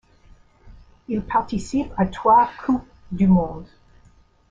Il participe à trois coupes du monde.